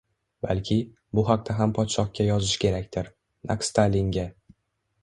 Balki, bu haqda ham podshohga yozish kerakdir, naq Stalinga…